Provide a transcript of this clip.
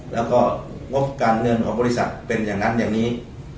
แล้วก็งบการเงินของบริษัทเป็นอย่างนั้นอย่างนี้